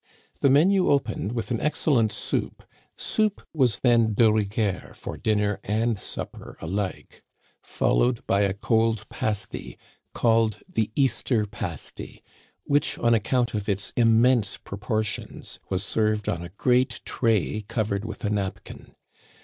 The nunu opened with an excellent soup (soup was then (U rigueur for dinner and supper alike), followed by a cold pasty, called the Easter pasty, which, on account of its immense proportions, was served on a great tray cov ered with a napkin.